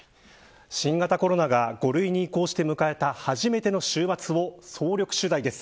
新型コロナが５類に移行して迎えた初めての週末を総力取材です。